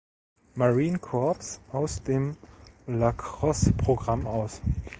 Marine Corps aus dem "Lacrosse"-Programm aus.